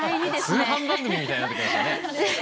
通販番組みたいになってきましたね。